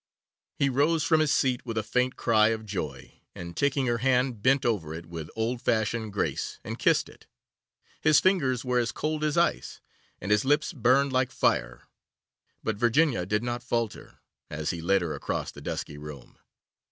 He rose from his seat with a faint cry of joy, and taking her hand bent over it with old fashioned grace and kissed it. His fingers were as cold as ice, and his lips burned like fire, but Virginia did not falter, as he led her across the dusky room.